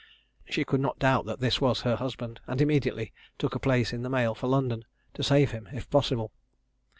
She could not doubt that this was her husband, and immediately took a place in the mail for London, to save him if possible.